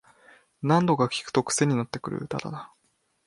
何度か聴くとクセになってくる歌だな